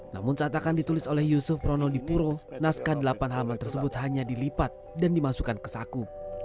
namun saat akan ditulis oleh yusuf prono dipuro naskah delapan halaman tersebut hanya dilipat dan dimasukkan ke saku